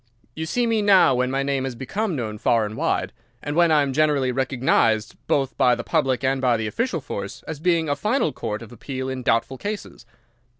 You see me now when my name has become known far and wide, and when I am generally recognised both by the public and by the official force as being a final court of appeal in doubtful cases.